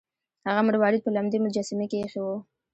هغه مروارید په لمدې مجسمې کې ایښی و.